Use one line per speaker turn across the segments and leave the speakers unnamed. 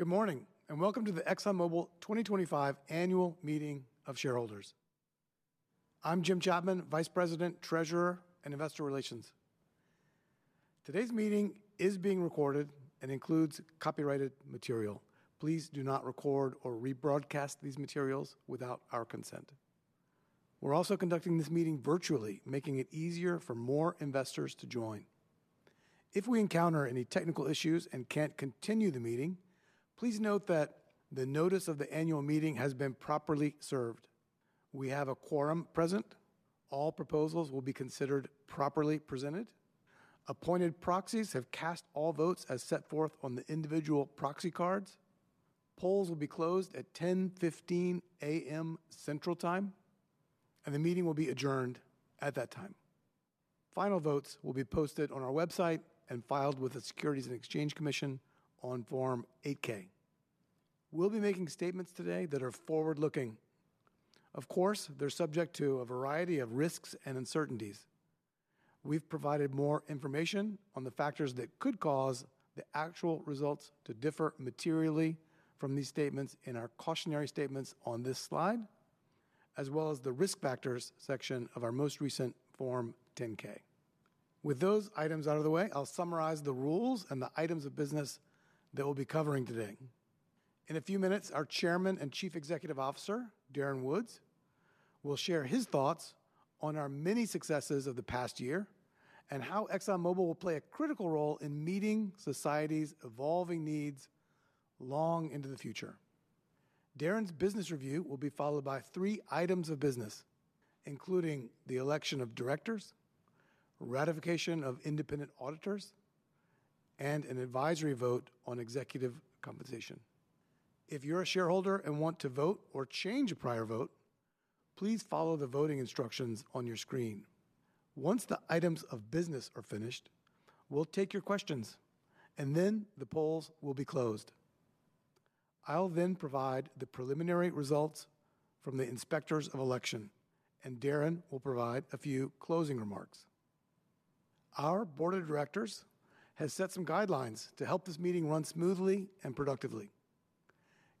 Good morning and welcome to the ExxonMobil 2025 Annual Meeting of Shareholders. I'm Jim Chapman, Vice President, Treasurer, and Investor Relations. Today's meeting is being recorded and includes copyrighted material. Please do not record or rebroadcast these materials without our consent. We're also conducting this meeting virtually, making it easier for more investors to join. If we encounter any technical issues and can't continue the meeting, please note that the notice of the annual meeting has been properly served. We have a quorum present. All proposals will be considered properly presented. Appointed proxies have cast all votes as set forth on the individual proxy cards. Polls will be closed at 10:15 A.M. Central Time, and the meeting will be adjourned at that time. Final votes will be posted on our website and filed with the Securities and Exchange Commission on Form 8K. We'll be making statements today that are forward-looking. Of course, they're subject to a variety of risks and uncertainties. We've provided more information on the factors that could cause the actual results to differ materially from these statements in our cautionary statements on this slide, as well as the risk factors section of our most recent Form 10-K. With those items out of the way, I'll summarize the rules and the items of business that we'll be covering today. In a few minutes, our Chairman and Chief Executive Officer, Darren Woods, will share his thoughts on our many successes of the past year and how ExxonMobil will play a critical role in meeting society's evolving needs long into the future. Darren's business review will be followed by three items of business, including the election of directors, ratification of independent auditors, and an advisory vote on executive compensation. If you're a shareholder and want to vote or change a prior vote, please follow the voting instructions on your screen. Once the items of business are finished, we'll take your questions, and then the polls will be closed. I'll then provide the preliminary results from the inspectors of election, and Darren will provide a few closing remarks. Our Board of Directors has set some guidelines to help this meeting run smoothly and productively.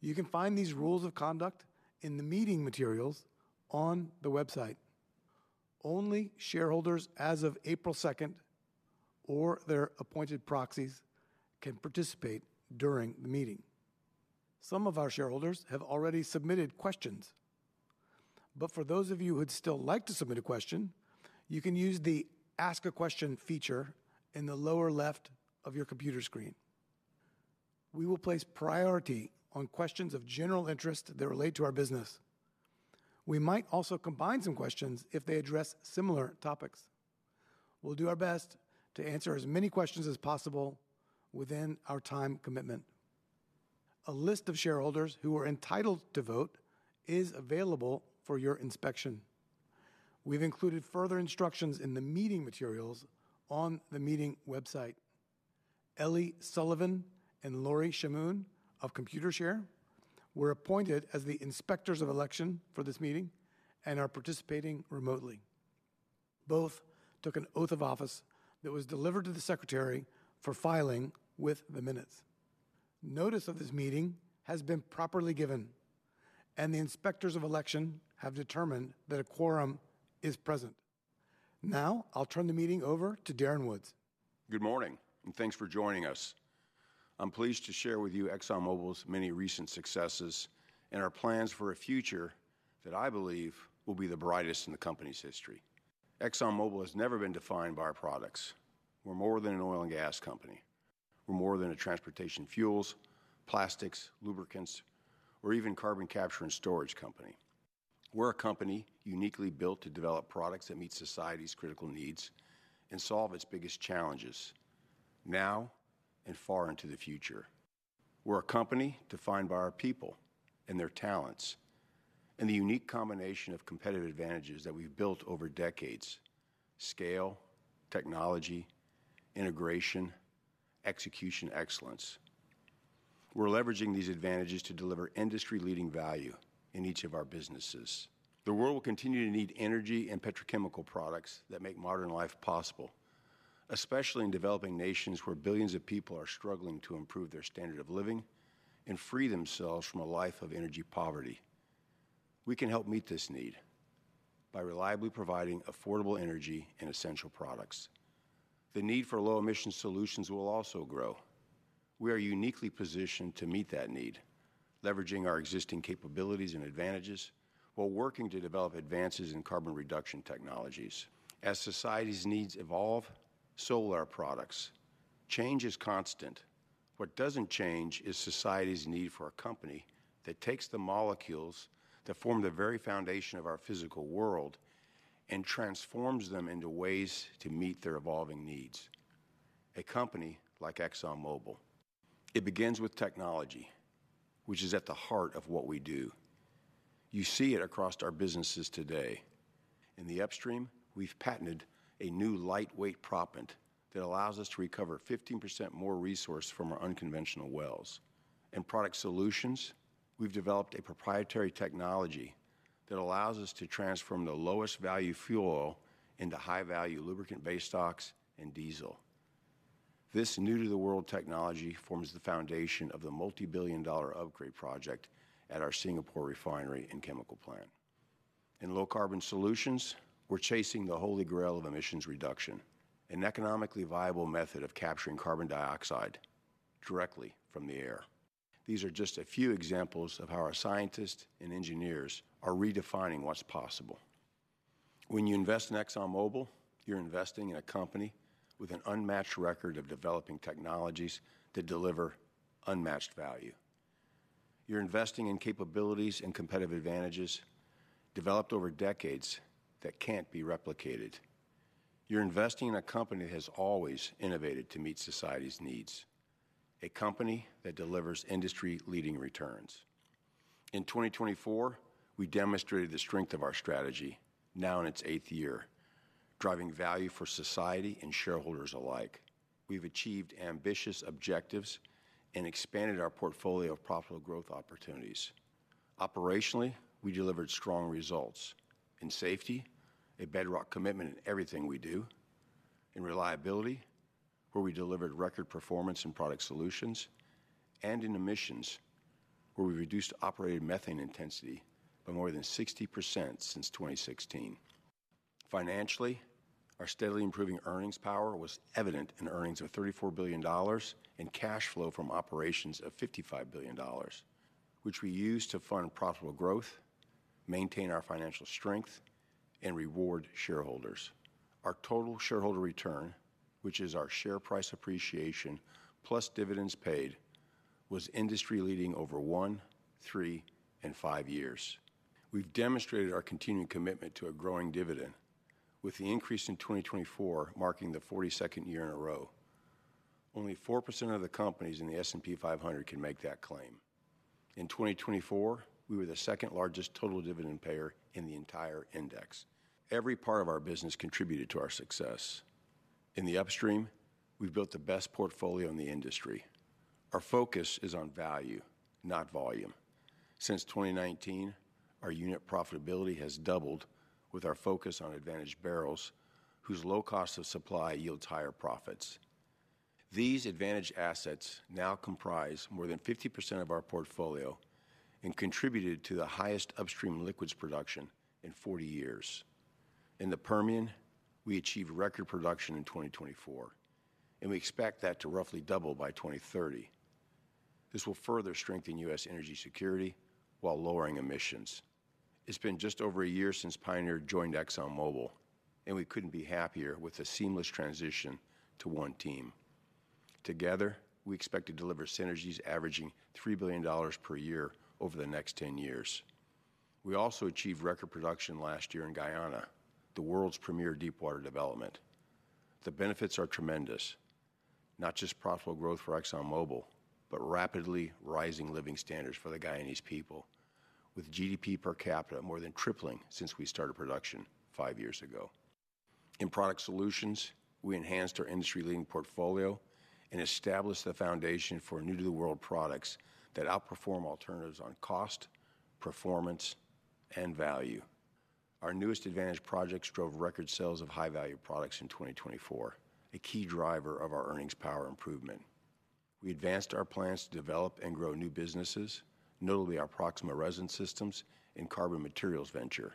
You can find these rules of conduct in the meeting materials on the website. Only shareholders as of April 2 or their appointed proxies can participate during the meeting. Some of our shareholders have already submitted questions, but for those of you who'd still like to submit a question, you can use the Ask a Question feature in the lower left of your computer screen. We will place priority on questions of general interest that relate to our business. We might also combine some questions if they address similar topics. We'll do our best to answer as many questions as possible within our time commitment. A list of shareholders who are entitled to vote is available for your inspection. We've included further instructions in the meeting materials on the meeting website. Ellie Sullivan and Lori Shamoun of Computershare were appointed as the inspectors of election for this meeting and are participating remotely. Both took an oath of office that was delivered to the Secretary for filing with the minutes. Notice of this meeting has been properly given, and the inspectors of election have determined that a quorum is present. Now I'll turn the meeting over to Darren Woods.
Good morning, and thanks for joining us. I'm pleased to share with you ExxonMobil's many recent successes and our plans for a future that I believe will be the brightest in the company's history. ExxonMobil has never been defined by our products. We're more than an oil and gas company. We're more than a transportation fuels, plastics, lubricants, or even carbon capture and storage company. We're a company uniquely built to develop products that meet society's critical needs and solve its biggest challenges now and far into the future. We're a company defined by our people and their talents and the unique combination of competitive advantages that we've built over decades: scale, technology, integration, execution, excellence. We're leveraging these advantages to deliver industry-leading value in each of our businesses. The world will continue to need energy and petrochemical products that make modern life possible, especially in developing nations where billions of people are struggling to improve their standard of living and free themselves from a life of energy poverty. We can help meet this need by reliably providing affordable energy and essential products. The need for low-emission solutions will also grow. We are uniquely positioned to meet that need, leveraging our existing capabilities and advantages while working to develop advances in carbon reduction technologies. As society's needs evolve, so will our products. Change is constant. What does not change is society's need for a company that takes the molecules that form the very foundation of our physical world and transforms them into ways to meet their evolving needs. A company like ExxonMobil. It begins with technology, which is at the heart of what we do. You see it across our businesses today. In the upstream, we've patented a new lightweight proppant that allows us to recover 15% more resource from our unconventional wells. In product solutions, we've developed a proprietary technology that allows us to transform the lowest value fuel oil into high value lubricant-based stocks and diesel. This new-to-the-world technology forms the foundation of the multi-billion dollar upgrade project at our Singapore refinery and chemical plant. In low carbon solutions, we're chasing the holy grail of emissions reduction, an economically viable method of capturing carbon dioxide directly from the air. These are just a few examples of how our scientists and engineers are redefining what's possible. When you invest in ExxonMobil, you're investing in a company with an unmatched record of developing technologies that deliver unmatched value. You're investing in capabilities and competitive advantages developed over decades that can't be replicated. You're investing in a company that has always innovated to meet society's needs, a company that delivers industry-leading returns. In 2024, we demonstrated the strength of our strategy now in its eighth year, driving value for society and shareholders alike. We've achieved ambitious objectives and expanded our portfolio of profitable growth opportunities. Operationally, we delivered strong results in safety, a bedrock commitment in everything we do, in reliability, where we delivered record performance in product solutions, and in emissions, where we reduced operated methane intensity by more than 60% since 2016. Financially, our steadily improving earnings power was evident in earnings of $34 billion and cash flow from operations of $55 billion, which we used to fund profitable growth, maintain our financial strength, and reward shareholders. Our total shareholder return, which is our share price appreciation plus dividends paid, was industry-leading over one, three, and five years. We've demonstrated our continued commitment to a growing dividend, with the increase in 2024 marking the 42nd year in a row. Only 4% of the companies in the S&P 500 can make that claim. In 2024, we were the second largest total dividend payer in the entire index. Every part of our business contributed to our success. In the upstream, we've built the best portfolio in the industry. Our focus is on value, not volume. Since 2019, our unit profitability has doubled with our focus on advantaged barrels whose low cost of supply yields higher profits. These advantaged assets now comprise more than 50% of our portfolio and contributed to the highest upstream liquids production in 40 years. In the Permian, we achieved record production in 2024, and we expect that to roughly double by 2030. This will further strengthen U.S. energy security while lowering emissions. It's been just over a year since Pioneer joined ExxonMobil, and we couldn't be happier with the seamless transition to one team. Together, we expect to deliver synergies averaging $3 billion per year over the next 10 years. We also achieved record production last year in Guyana, the world's premier deep-water development. The benefits are tremendous, not just profitable growth for ExxonMobil, but rapidly rising living standards for the Guyanese people, with GDP per capita more than tripling since we started production five years ago. In product solutions, we enhanced our industry-leading portfolio and established the foundation for new-to-the-world products that outperform alternatives on cost, performance, and value. Our newest advantage projects drove record sales of high-value products in 2024, a key driver of our earnings power improvement. We advanced our plans to develop and grow new businesses, notably our Proxima Resin Systems and Carbon Materials venture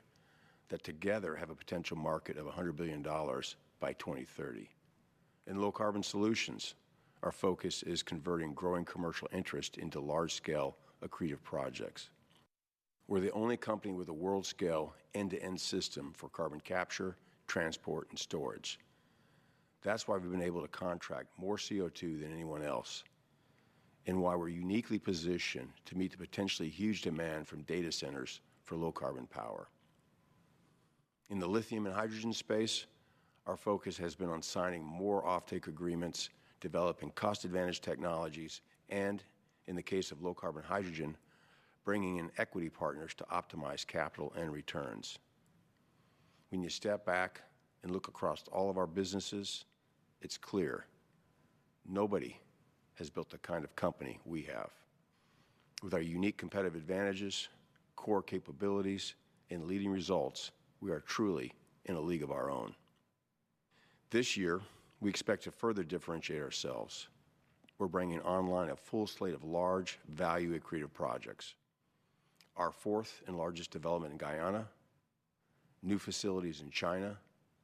that together have a potential market of $100 billion by 2030. In low carbon solutions, our focus is converting growing commercial interest into large-scale accretive projects. We're the only company with a world-scale end-to-end system for carbon capture, transport, and storage. That's why we've been able to contract more CO2 than anyone else and why we're uniquely positioned to meet the potentially huge demand from data centers for low carbon power. In the lithium and hydrogen space, our focus has been on signing more offtake agreements, developing cost-advantage technologies, and, in the case of low carbon hydrogen, bringing in equity partners to optimize capital and returns. When you step back and look across all of our businesses, it's clear nobody has built the kind of company we have. With our unique competitive advantages, core capabilities, and leading results, we are truly in a league of our own. This year, we expect to further differentiate ourselves. We're bringing online a full slate of large, value-accretive projects: our fourth and largest development in Guyana, new facilities in China,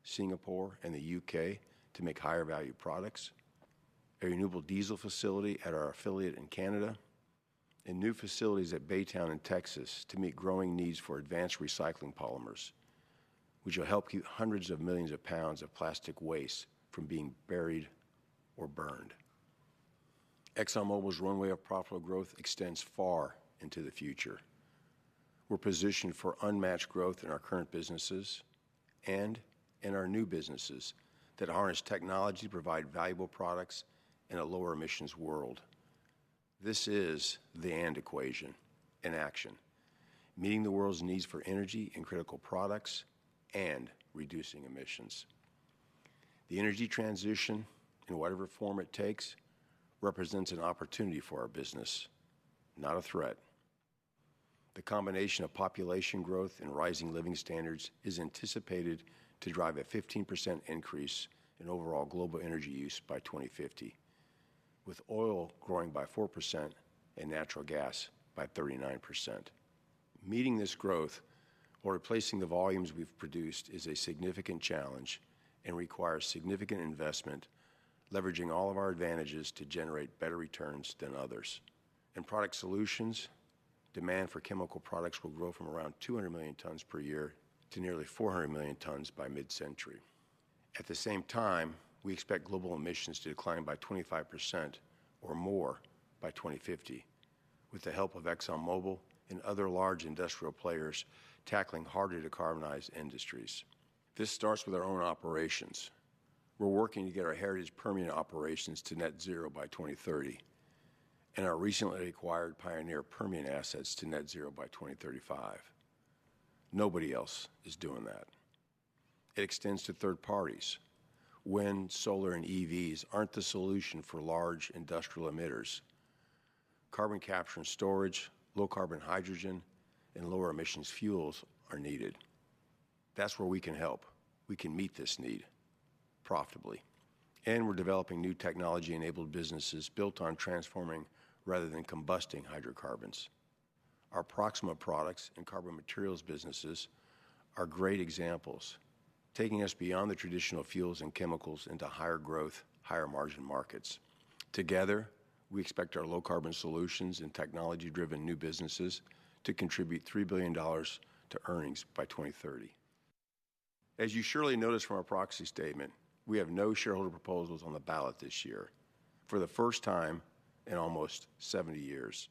Singapore, and the U.K. to make higher-value products, a renewable diesel facility at our affiliate in Canada, and new facilities at Baytown, Texas to meet growing needs for advanced recycling polymers, which will help keep hundreds of millions of pounds of plastic waste from being buried or burned. ExxonMobil's runway of profitable growth extends far into the future. We're positioned for unmatched growth in our current businesses and in our new businesses that harness technology to provide valuable products in a lower-emissions world. This is the end equation in action, meeting the world's needs for energy and critical products and reducing emissions. The energy transition, in whatever form it takes, represents an opportunity for our business, not a threat. The combination of population growth and rising living standards is anticipated to drive a 15% increase in overall global energy use by 2050, with oil growing by 4% and natural gas by 39%. Meeting this growth or replacing the volumes we've produced is a significant challenge and requires significant investment, leveraging all of our advantages to generate better returns than others. In product solutions, demand for chemical products will grow from around 200 million tons per year to nearly 400 million tons by mid-century. At the same time, we expect global emissions to decline by 25% or more by 2050, with the help of ExxonMobil and other large industrial players tackling harder-to-carbonize industries. This starts with our own operations. We're working to get our Heritage Permian operations to net zero by 2030 and our recently acquired Pioneer Permian assets to net zero by 2035. Nobody else is doing that. It extends to third parties. Wind, solar, and EVs aren't the solution for large industrial emitters. Carbon capture and storage, low carbon hydrogen, and lower-emissions fuels are needed. That's where we can help. We can meet this need profitably. We're developing new technology-enabled businesses built on transforming rather than combusting hydrocarbons. Our Proxima products and carbon materials businesses are great examples, taking us beyond the traditional fuels and chemicals into higher growth, higher-margin markets. Together, we expect our low carbon solutions and technology-driven new businesses to contribute $3 billion to earnings by 2030. As you surely noticed from our proxy statement, we have no shareholder proposals on the ballot this year. For the first time in almost 70 years,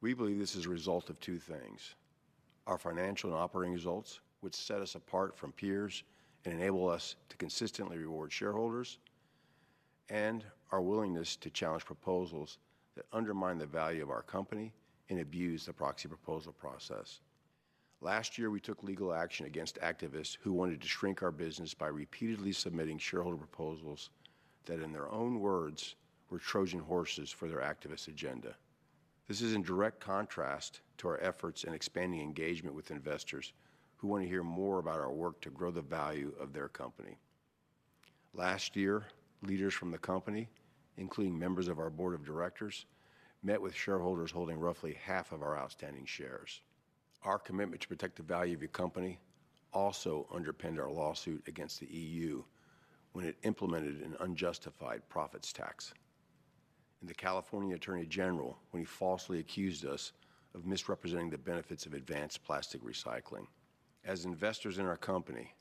we believe this is a result of two things: our financial and operating results, which set us apart from peers and enable us to consistently reward shareholders, and our willingness to challenge proposals that undermine the value of our company and abuse the proxy proposal process. Last year, we took legal action against activists who wanted to shrink our business by repeatedly submitting shareholder proposals that, in their own words, were Trojan horses for their activist agenda. This is in direct contrast to our efforts in expanding engagement with investors who want to hear more about our work to grow the value of their company. Last year, leaders from the company, including members of our board of directors, met with shareholders holding roughly half of our outstanding shares. Our commitment to protect the value of your company also underpinned our lawsuit against the EU when it implemented an unjustified profits tax. The California Attorney General, when he falsely accused us of misrepresenting the benefits of advanced plastic recycling. As investors in our company,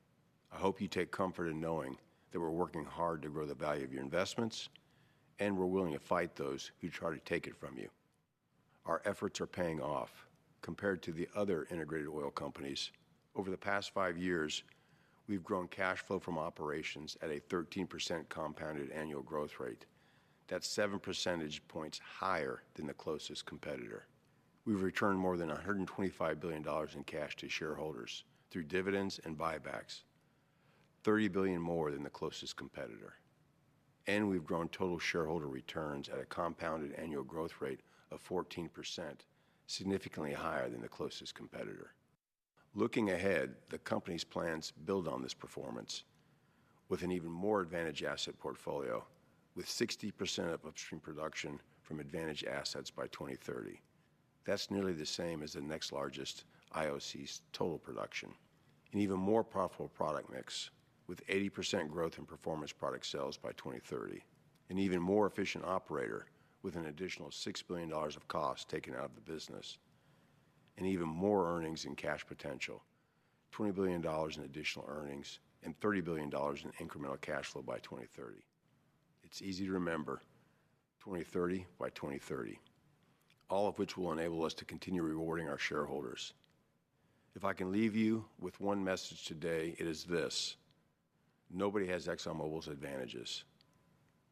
I hope you take comfort in knowing that we're working hard to grow the value of your investments and we're willing to fight those who try to take it from you. Our efforts are paying off compared to the other integrated oil companies. Over the past five years, we've grown cash flow from operations at a 13% compounded annual growth rate. That's seven percentage points higher than the closest competitor. We've returned more than $125 billion in cash to shareholders through dividends and buybacks, $30 billion more than the closest competitor. We have grown total shareholder returns at a compounded annual growth rate of 14%, significantly higher than the closest competitor. Looking ahead, the company's plans build on this performance with an even more advantaged asset portfolio, with 60% of upstream production from advantaged assets by 2030. That is nearly the same as the next largest IOC's total production, an even more profitable product mix with 80% growth in performance product sales by 2030, an even more efficient operator with an additional $6 billion of costs taken out of the business, and even more earnings and cash potential, $20 billion in additional earnings and $30 billion in incremental cash flow by 2030. It is easy to remember 2030 by 2030, all of which will enable us to continue rewarding our shareholders. If I can leave you with one message today, it is this: nobody has ExxonMobil's advantages,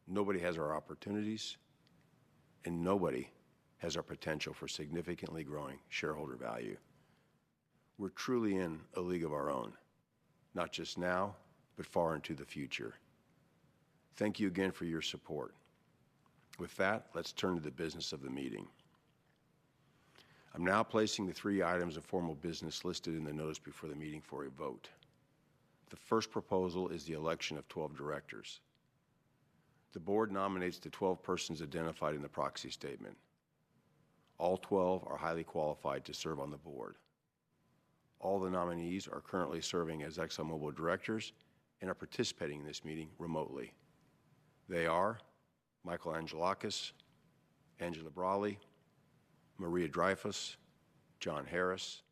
nobody has our opportunities, and nobody has our potential for significantly growing shareholder value. We're truly in a league of our own, not just now, but far into the future. Thank you again for your support. With that, let's turn to the business of the meeting. I'm now placing the three items of formal business listed in the notice before the meeting for a vote. The first proposal is the election of 12 directors. The board nominates the 12 persons identified in the proxy statement. All 12 are highly qualified to serve on the board. All the nominees are currently serving as ExxonMobil directors and are participating in this meeting remotely. They are Michael Angelakis, Angela Braly, Maria Dreyfus, John Harris,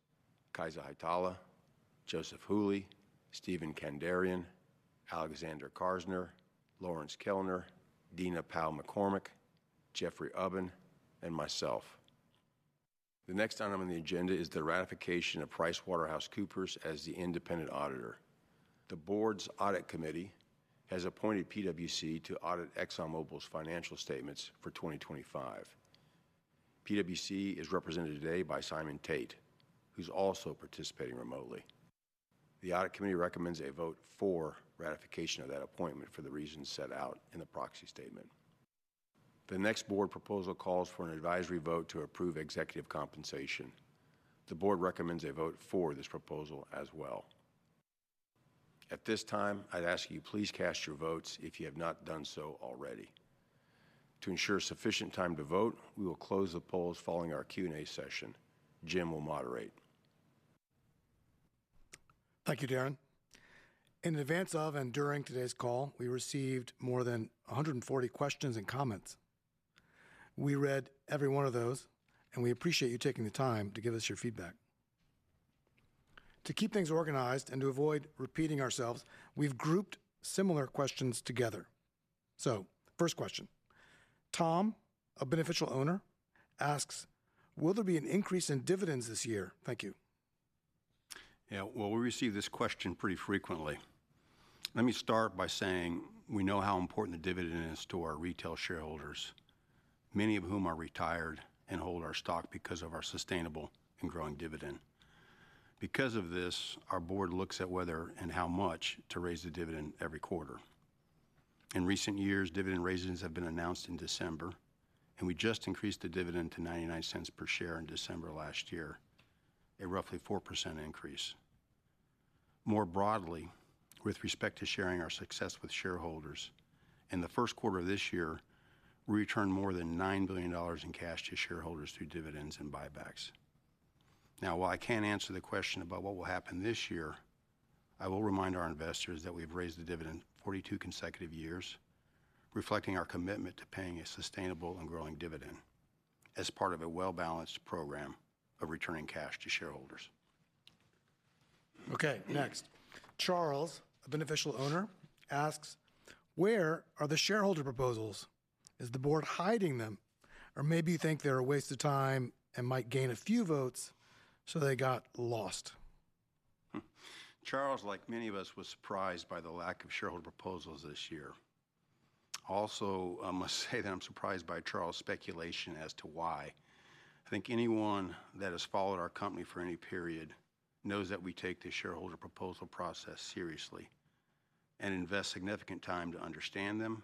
Kaisa Hietala, Joseph Hooley, Stephen Kandarian, Alexander Karsner, Lawrence Kellner, Dina Powell McCormick, Jeffrey Ubben, and myself. The next item on the agenda is the ratification of PricewaterhouseCoopers as the independent auditor. The board's audit committee has appointed PwC to audit ExxonMobil's financial statements for 2025. PwC is represented today by Simon Tate, who's also participating remotely. The audit committee recommends a vote for ratification of that appointment for the reasons set out in the proxy statement. The next board proposal calls for an advisory vote to approve executive compensation. The board recommends a vote for this proposal as well. At this time, I'd ask you to please cast your votes if you have not done so already. To ensure sufficient time to vote, we will close the polls following our Q&A session. Jim will moderate.
Thank you, Darren. In advance of and during today's call, we received more than 140 questions and comments. We read every one of those, and we appreciate you taking the time to give us your feedback. To keep things organized and to avoid repeating ourselves, we've grouped similar questions together. First question, Tom, a beneficial owner, asks, will there be an increase in dividends this year? Thank you.
Yeah, we receive this question pretty frequently. Let me start by saying we know how important the dividend is to our retail shareholders, many of whom are retired and hold our stock because of our sustainable and growing dividend. Because of this, our board looks at whether and how much to raise the dividend every quarter. In recent years, dividend raisings have been announced in December, and we just increased the dividend to $0.99 per share in December last year, a roughly 4% increase. More broadly, with respect to sharing our success with shareholders, in the first quarter of this year, we returned more than $9 billion in cash to shareholders through dividends and buybacks. Now, while I can't answer the question about what will happen this year, I will remind our investors that we have raised the dividend 42 consecutive years, reflecting our commitment to paying a sustainable and growing dividend as part of a well-balanced program of returning cash to shareholders.
Okay, next. Charles, a beneficial owner, asks, where are the shareholder proposals? Is the board hiding them, or maybe you think they're a waste of time and might gain a few votes so they got lost?
Charles, like many of us, was surprised by the lack of shareholder proposals this year. Also, I must say that I'm surprised by Charles' speculation as to why. I think anyone that has followed our company for any period knows that we take the shareholder proposal process seriously and invest significant time to understand them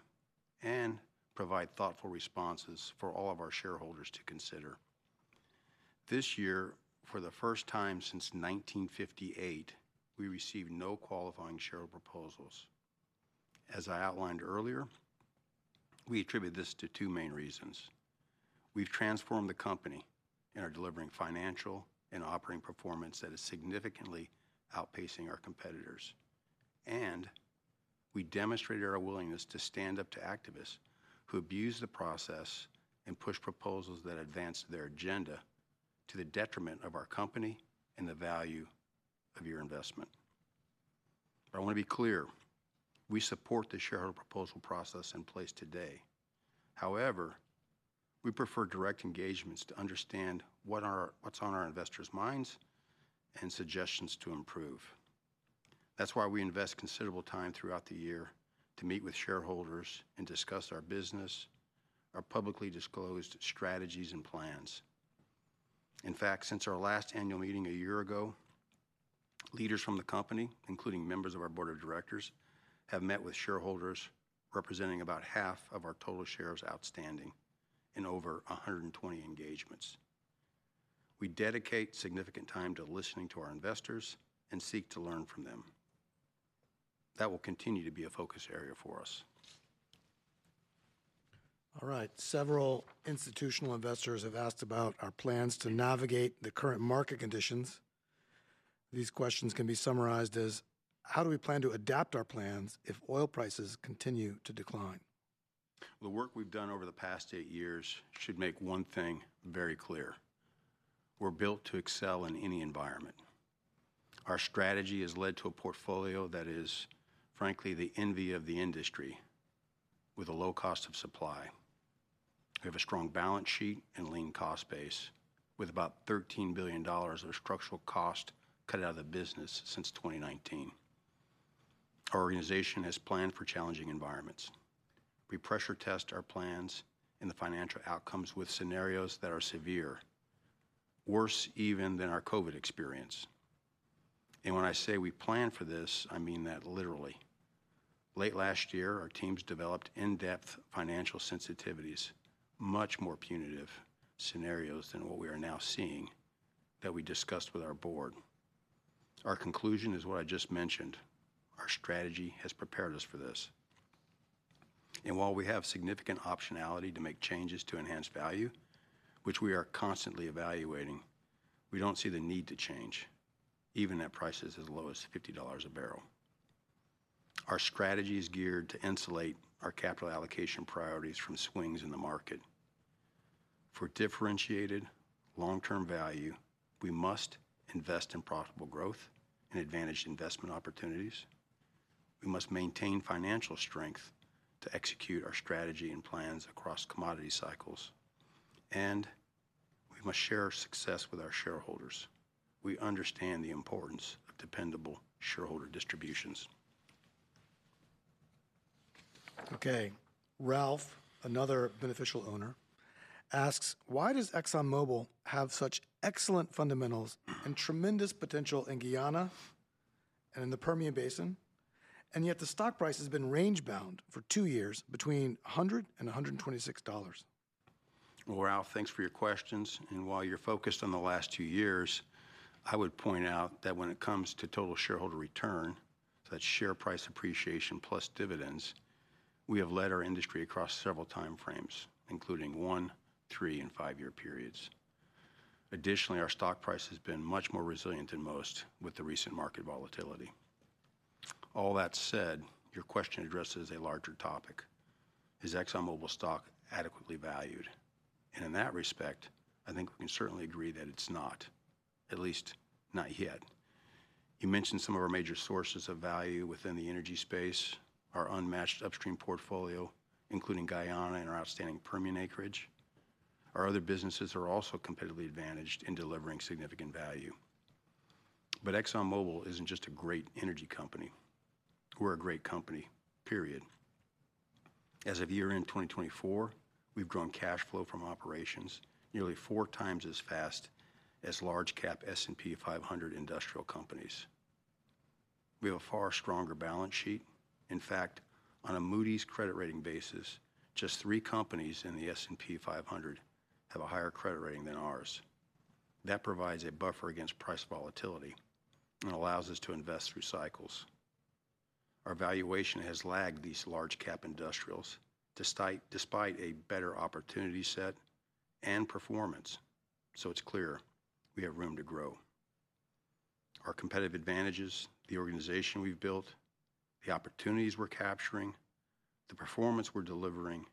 and provide thoughtful responses for all of our shareholders to consider. This year, for the first time since 1958, we received no qualifying shareholder proposals. As I outlined earlier, we attribute this to two main reasons. We've transformed the company and are delivering financial and operating performance that is significantly outpacing our competitors. We demonstrated our willingness to stand up to activists who abuse the process and push proposals that advance their agenda to the detriment of our company and the value of your investment. I want to be clear. We support the shareholder proposal process in place today. However, we prefer direct engagements to understand what's on our investors' minds and suggestions to improve. That's why we invest considerable time throughout the year to meet with shareholders and discuss our business, our publicly disclosed strategies and plans. In fact, since our last annual meeting a year ago, leaders from the company, including members of our board of directors, have met with shareholders representing about half of our total shares outstanding in over 120 engagements. We dedicate significant time to listening to our investors and seek to learn from them. That will continue to be a focus area for us.
All right. Several institutional investors have asked about our plans to navigate the current market conditions. These questions can be summarized as, how do we plan to adapt our plans if oil prices continue to decline?
The work we've done over the past eight years should make one thing very clear. We're built to excel in any environment. Our strategy has led to a portfolio that is, frankly, the envy of the industry, with a low cost of supply. We have a strong balance sheet and lean cost base, with about $13 billion of structural cost cut out of the business since 2019. Our organization has planned for challenging environments. We pressure test our plans and the financial outcomes with scenarios that are severe, worse even than our COVID experience. When I say we plan for this, I mean that literally. Late last year, our teams developed in-depth financial sensitivities, much more punitive scenarios than what we are now seeing, that we discussed with our board. Our conclusion is what I just mentioned. Our strategy has prepared us for this. We have significant optionality to make changes to enhance value, which we are constantly evaluating. We do not see the need to change, even at prices as low as $50 a barrel. Our strategy is geared to insulate our capital allocation priorities from swings in the market. For differentiated long-term value, we must invest in profitable growth and advantage investment opportunities. We must maintain financial strength to execute our strategy and plans across commodity cycles. We must share our success with our shareholders. We understand the importance of dependable shareholder distributions.
Okay. Ralph, another beneficial owner, asks, why does ExxonMobil have such excellent fundamentals and tremendous potential in Guyana and in the Permian Basin, and yet the stock price has been range-bound for two years between $100 and $126?
Ralph, thanks for your questions. While you're focused on the last two years, I would point out that when it comes to total shareholder return, that's share price appreciation plus dividends, we have led our industry across several time frames, including one, three, and five-year periods. Additionally, our stock price has been much more resilient than most with the recent market volatility. All that said, your question addresses a larger topic. Is ExxonMobil stock adequately valued? In that respect, I think we can certainly agree that it's not, at least not yet. You mentioned some of our major sources of value within the energy space, our unmatched upstream portfolio, including Guyana and our outstanding Permian acreage. Our other businesses are also competitively advantaged in delivering significant value. ExxonMobil isn't just a great energy company. We're a great company, period. As of year-end 2024, we've grown cash flow from operations nearly four times as fast as large-cap S&P 500 industrial companies. We have a far stronger balance sheet. In fact, on a Moody's credit rating basis, just three companies in the S&P 500 have a higher credit rating than ours. That provides a buffer against price volatility and allows us to invest through cycles. Our valuation has lagged these large-cap industrials despite a better opportunity set and performance. It is clear we have room to grow. Our competitive advantages, the organization we've built, the opportunities we're capturing, the performance we're delivering,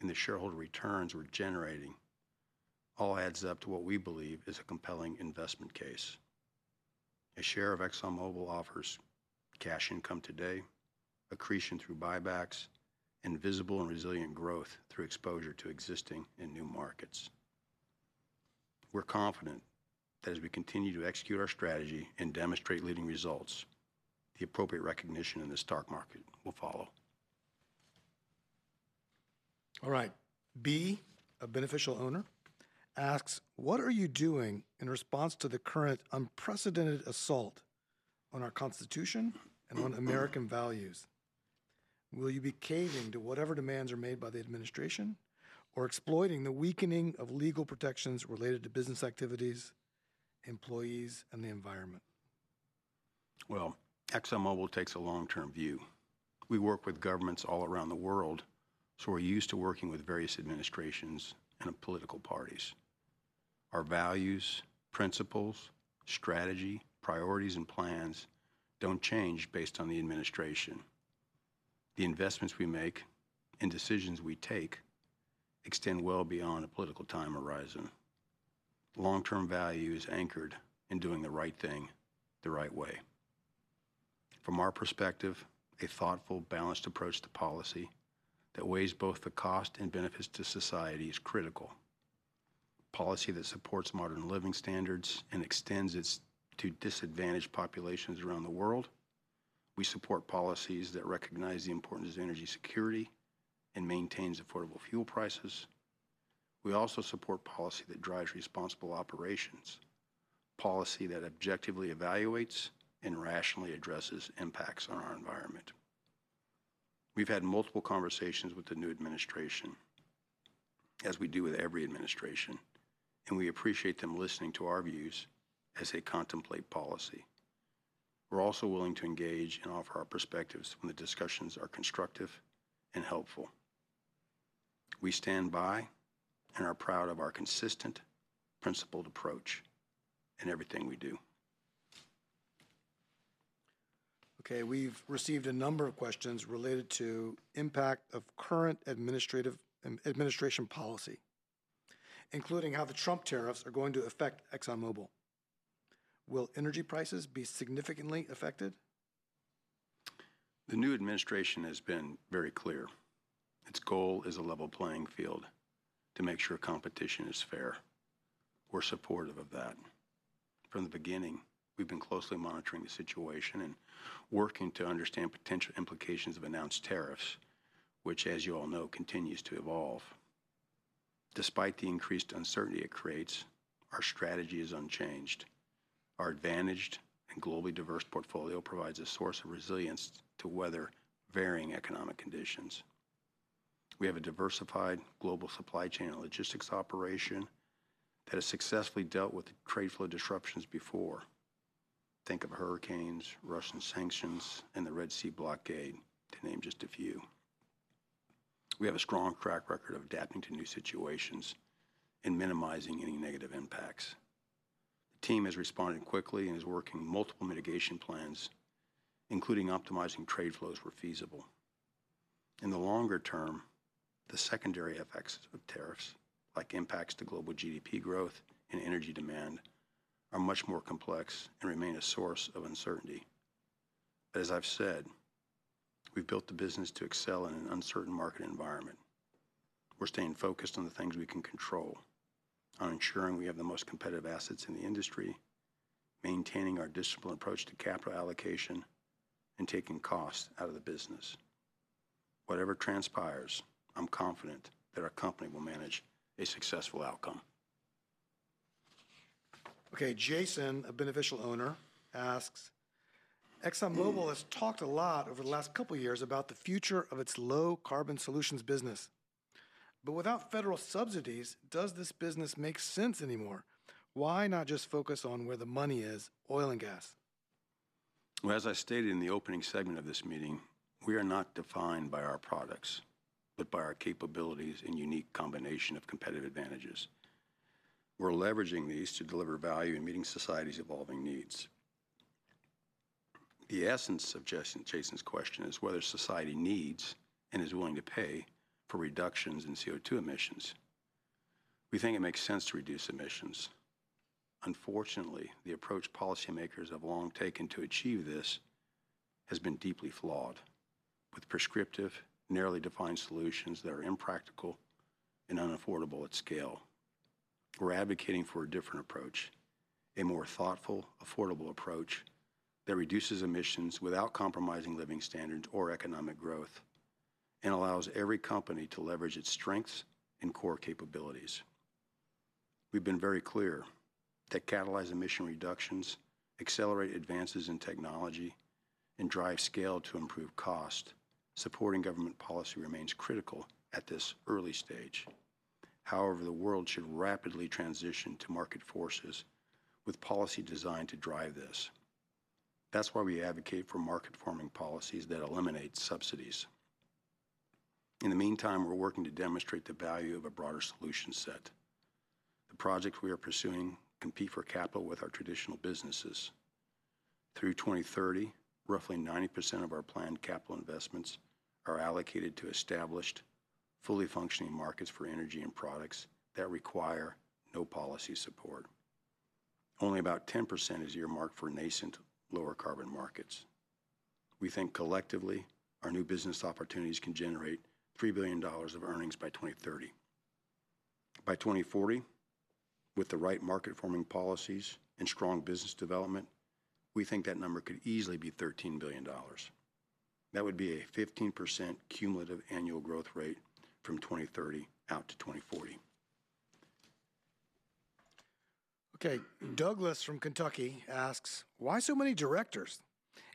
and the shareholder returns we're generating all add up to what we believe is a compelling investment case. A share of ExxonMobil offers cash income today, accretion through buybacks, and visible and resilient growth through exposure to existing and new markets. We're confident that as we continue to execute our strategy and demonstrate leading results, the appropriate recognition in this stock market will follow.
All right. B, a beneficial owner, asks, what are you doing in response to the current unprecedented assault on our Constitution and on American values? Will you be caving to whatever demands are made by the administration or exploiting the weakening of legal protections related to business activities, employees, and the environment?
ExxonMobil takes a long-term view. We work with governments all around the world, so we're used to working with various administrations and political parties. Our values, principles, strategy, priorities, and plans don't change based on the administration. The investments we make and decisions we take extend well beyond a political time horizon. Long-term value is anchored in doing the right thing the right way. From our perspective, a thoughtful, balanced approach to policy that weighs both the cost and benefits to society is critical. Policy that supports modern living standards and extends it to disadvantaged populations around the world. We support policies that recognize the importance of energy security and maintain affordable fuel prices. We also support policy that drives responsible operations, policy that objectively evaluates and rationally addresses impacts on our environment. We've had multiple conversations with the new administration, as we do with every administration, and we appreciate them listening to our views as they contemplate policy. We're also willing to engage and offer our perspectives when the discussions are constructive and helpful. We stand by and are proud of our consistent, principled approach in everything we do.
Okay. We've received a number of questions related to the impact of current administration policy, including how the Trump tariffs are going to affect ExxonMobil. Will energy prices be significantly affected?
The new administration has been very clear. Its goal is a level playing field to make sure competition is fair. We're supportive of that. From the beginning, we've been closely monitoring the situation and working to understand potential implications of announced tariffs, which, as you all know, continues to evolve. Despite the increased uncertainty it creates, our strategy is unchanged. Our advantaged and globally diverse portfolio provides a source of resilience to weather varying economic conditions. We have a diversified global supply chain and logistics operation that has successfully dealt with trade flow disruptions before. Think of hurricanes, Russian sanctions, and the Red Sea blockade, to name just a few. We have a strong track record of adapting to new situations and minimizing any negative impacts. The team has responded quickly and is working on multiple mitigation plans, including optimizing trade flows where feasible. In the longer term, the secondary effects of tariffs, like impacts to global GDP growth and energy demand, are much more complex and remain a source of uncertainty. As I've said, we've built the business to excel in an uncertain market environment. We're staying focused on the things we can control, on ensuring we have the most competitive assets in the industry, maintaining our disciplined approach to capital allocation, and taking costs out of the business. Whatever transpires, I'm confident that our company will manage a successful outcome.
Okay. Jason, a beneficial owner, asks, ExxonMobil has talked a lot over the last couple of years about the future of its low-carbon solutions business. Without federal subsidies, does this business make sense anymore? Why not just focus on where the money is, oil and gas?
As I stated in the opening segment of this meeting, we are not defined by our products, but by our capabilities and unique combination of competitive advantages. We're leveraging these to deliver value in meeting society's evolving needs. The essence of Jason's question is whether society needs and is willing to pay for reductions in CO2 emissions. We think it makes sense to reduce emissions. Unfortunately, the approach policymakers have long taken to achieve this has been deeply flawed, with prescriptive, narrowly defined solutions that are impractical and unaffordable at scale. We're advocating for a different approach, a more thoughtful, affordable approach that reduces emissions without compromising living standards or economic growth and allows every company to leverage its strengths and core capabilities. We've been very clear that catalyzed emission reductions accelerate advances in technology and drive scale to improve cost. Supporting government policy remains critical at this early stage. However, the world should rapidly transition to market forces with policy designed to drive this. That's why we advocate for market-forming policies that eliminate subsidies. In the meantime, we're working to demonstrate the value of a broader solution set. The projects we are pursuing compete for capital with our traditional businesses. Through 2030, roughly 90% of our planned capital investments are allocated to established, fully functioning markets for energy and products that require no policy support. Only about 10% is earmarked for nascent, lower-carbon markets. We think collectively our new business opportunities can generate $3 billion of earnings by 2030. By 2040, with the right market-forming policies and strong business development, we think that number could easily be $13 billion. That would be a 15% cumulative annual growth rate from 2030 out to 2040.
Okay. Douglas from Kentucky asks, why so many directors?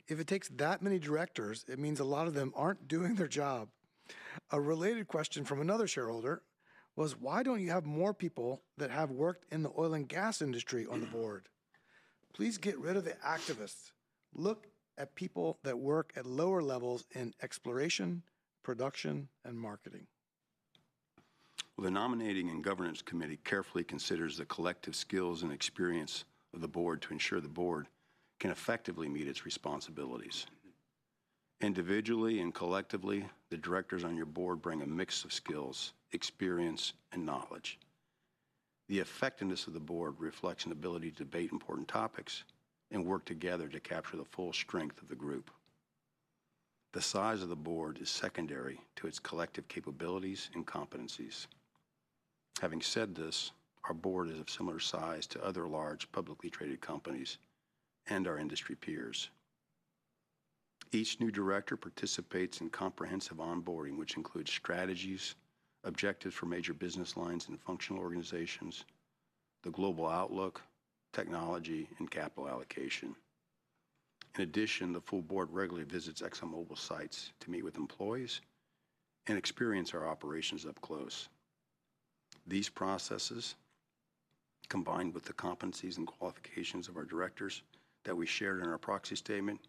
If it takes that many directors, it means a lot of them aren't doing their job. A related question from another shareholder was, why don't you have more people that have worked in the oil and gas industry on the board? Please get rid of the activists. Look at people that work at lower levels in exploration, production, and marketing.
The nominating and governance committee carefully considers the collective skills and experience of the board to ensure the board can effectively meet its responsibilities. Individually and collectively, the directors on your board bring a mix of skills, experience, and knowledge. The effectiveness of the board reflects an ability to debate important topics and work together to capture the full strength of the group. The size of the board is secondary to its collective capabilities and competencies. Having said this, our board is of similar size to other large publicly traded companies and our industry peers. Each new director participates in comprehensive onboarding, which includes strategies, objectives for major business lines and functional organizations, the global outlook, technology, and capital allocation. In addition, the full board regularly visits ExxonMobil sites to meet with employees and experience our operations up close. These processes, combined with the competencies and qualifications of our directors that we shared in our proxy statement,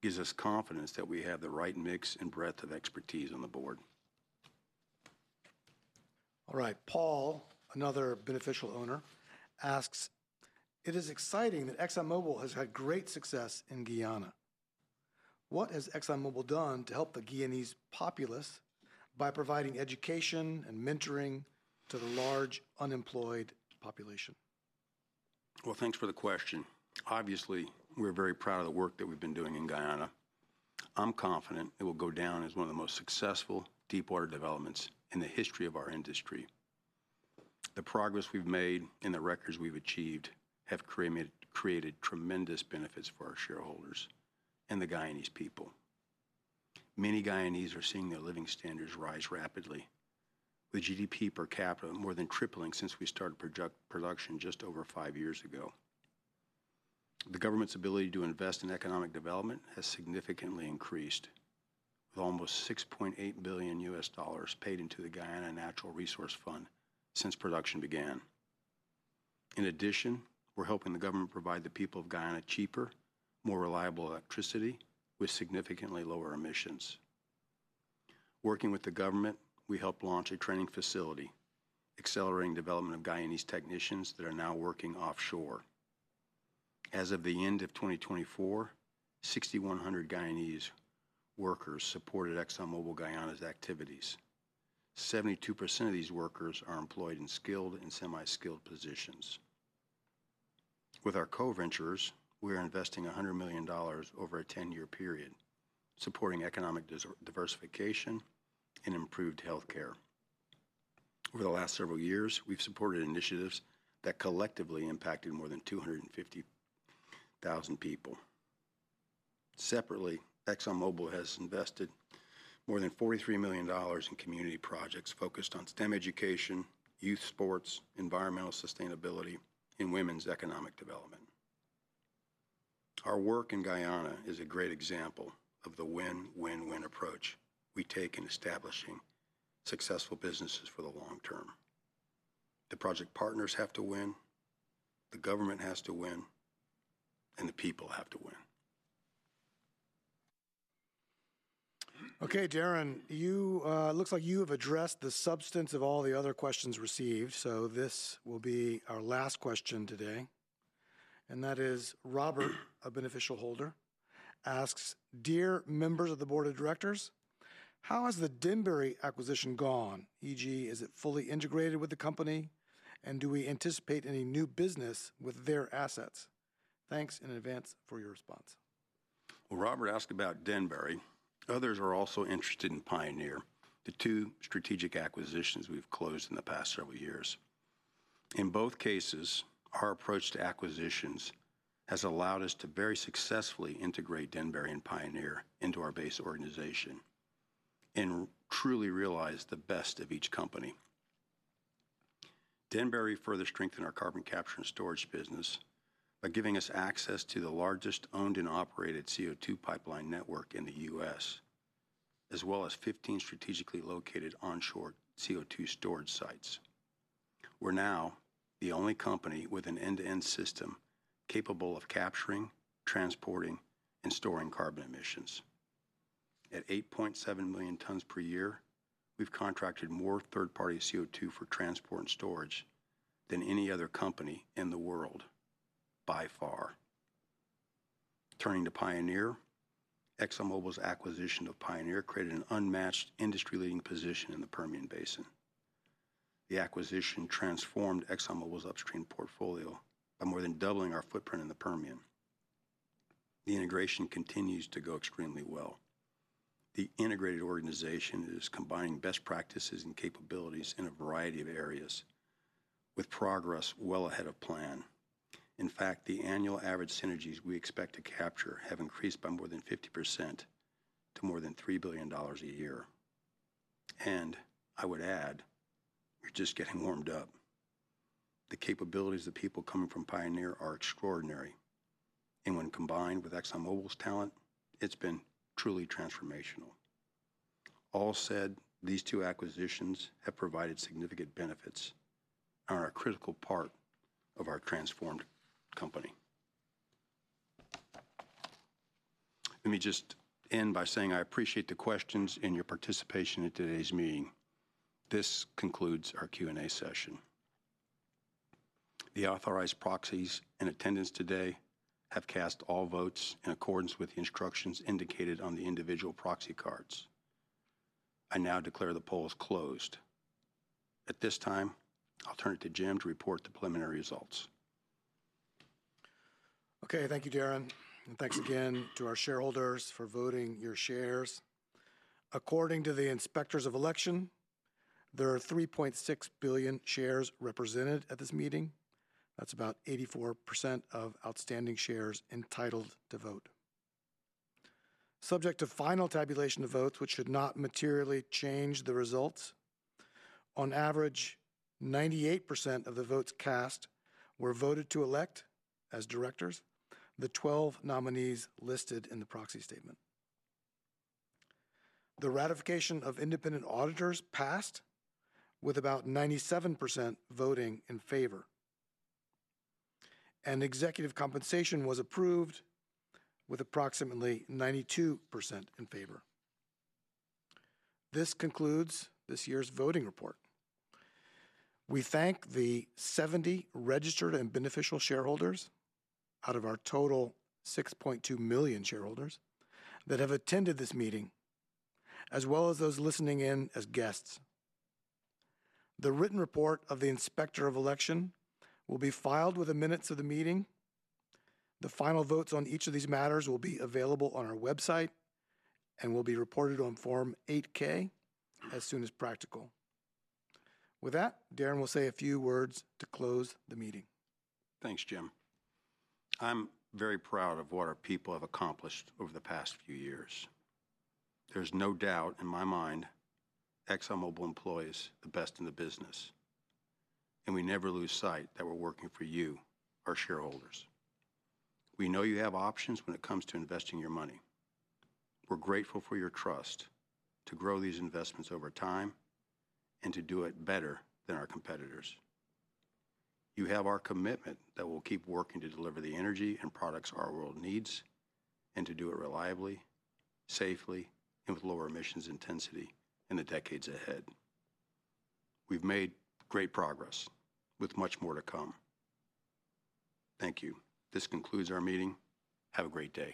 give us confidence that we have the right mix and breadth of expertise on the board.
All right. Paul, another beneficial owner, asks, it is exciting that ExxonMobil has had great success in Guyana. What has ExxonMobil done to help the Guyanese populace by providing education and mentoring to the large unemployed population?
Thanks for the question. Obviously, we're very proud of the work that we've been doing in Guyana. I'm confident it will go down as one of the most successful deep-water developments in the history of our industry. The progress we've made and the records we've achieved have created tremendous benefits for our shareholders and the Guyanese people. Many Guyanese are seeing their living standards rise rapidly, with GDP per capita more than tripling since we started production just over five years ago. The government's ability to invest in economic development has significantly increased, with almost $6.8 billion paid into the Guyana Natural Resource Fund since production began. In addition, we're helping the government provide the people of Guyana cheaper, more reliable electricity with significantly lower emissions. Working with the government, we helped launch a training facility, accelerating the development of Guyanese technicians that are now working offshore. As of the end of 2024, 6,100 Guyanese workers supported ExxonMobil Guyana's activities. 72% of these workers are employed in skilled and semi-skilled positions. With our co-venturers, we are investing $100 million over a 10-year period, supporting economic diversification and improved healthcare. Over the last several years, we've supported initiatives that collectively impacted more than 250,000 people. Separately, ExxonMobil has invested more than $43 million in community projects focused on STEM education, youth sports, environmental sustainability, and women's economic development. Our work in Guyana is a great example of the win-win-win approach we take in establishing successful businesses for the long term. The project partners have to win, the government has to win, and the people have to win.
Okay. Darren, it looks like you have addressed the substance of all the other questions received. This will be our last question today. That is, Robert, a beneficial holder, asks, dear members of the board of directors, how has the Denbury acquisition gone, e.g., is it fully integrated with the company, and do we anticipate any new business with their assets? Thanks in advance for your response.
Robert asked about Denbury. Others are also interested in Pioneer, the two strategic acquisitions we've closed in the past several years. In both cases, our approach to acquisitions has allowed us to very successfully integrate Denbury and Pioneer into our base organization and truly realize the best of each company. Denbury further strengthened our carbon capture and storage business by giving us access to the largest owned and operated CO2 pipeline network in the U.S., as well as 15 strategically located onshore CO2 storage sites. We're now the only company with an end-to-end system capable of capturing, transporting, and storing carbon emissions. At 8.7 million tons per year, we've contracted more third-party CO2 for transport and storage than any other company in the world by far. Turning to Pioneer, ExxonMobil's acquisition of Pioneer created an unmatched industry-leading position in the Permian Basin. The acquisition transformed ExxonMobil's upstream portfolio by more than doubling our footprint in the Permian. The integration continues to go extremely well. The integrated organization is combining best practices and capabilities in a variety of areas, with progress well ahead of plan. In fact, the annual average synergies we expect to capture have increased by more than 50% to more than $3 billion a year. I would add, we're just getting warmed up. The capabilities of the people coming from Pioneer are extraordinary. When combined with ExxonMobil's talent, it's been truly transformational. All said, these two acquisitions have provided significant benefits and are a critical part of our transformed company. Let me just end by saying I appreciate the questions and your participation in today's meeting. This concludes our Q&A session. The authorized proxies in attendance today have cast all votes in accordance with the instructions indicated on the individual proxy cards. I now declare the polls closed. At this time, I'll turn it to Jim to report the preliminary results.
Okay. Thank you, Darren. Thank you again to our shareholders for voting your shares. According to the inspectors of election, there are 3.6 billion shares represented at this meeting. That is about 84% of outstanding shares entitled to vote. Subject to final tabulation of votes, which should not materially change the results, on average, 98% of the votes cast were voted to elect as directors the 12 nominees listed in the proxy statement. The ratification of independent auditors passed with about 97% voting in favor. Executive compensation was approved with approximately 92% in favor. This concludes this year's voting report. We thank the 70 registered and beneficial shareholders out of our total 6.2 million shareholders that have attended this meeting, as well as those listening in as guests. The written report of the inspector of election will be filed within minutes of the meeting. The final votes on each of these matters will be available on our website and will be reported on Form 8K as soon as practical. With that, Darren will say a few words to close the meeting.
Thanks, Jim. I'm very proud of what our people have accomplished over the past few years. There's no doubt in my mind ExxonMobil employees are the best in the business. We never lose sight that we're working for you, our shareholders. We know you have options when it comes to investing your money. We're grateful for your trust to grow these investments over time and to do it better than our competitors. You have our commitment that we'll keep working to deliver the energy and products our world needs and to do it reliably, safely, and with lower emissions intensity in the decades ahead. We've made great progress with much more to come. Thank you. This concludes our meeting. Have a great day.